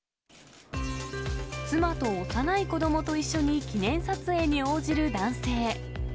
妻と幼い子どもと一緒に記念撮影に応じる男性。